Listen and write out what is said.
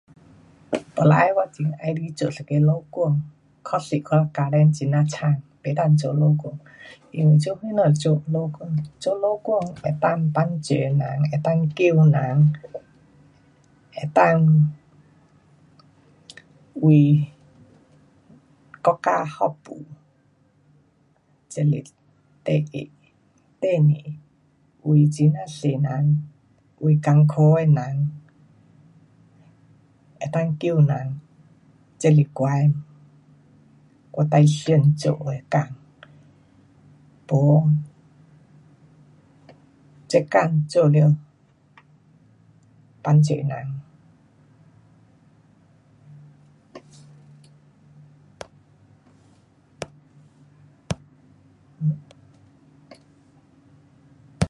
本来我很喜欢做一个医生，可惜我家庭很呀惨，不能做医生。因为做什么做医生，因为做医生能够帮助人，能够救人，能够为国家服务。这是第一。第二，为很呀多人，为困苦的人，能够救人。这是我的，我最想做的工。没，这工做了帮助人。